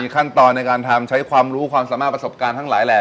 ขั้นตอนในการทำใช้ความรู้ความสามารถประสบการณ์ทั้งหลายแหล่